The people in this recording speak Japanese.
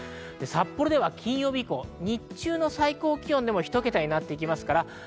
札幌では金曜日以降、日中でも１桁になってきますから。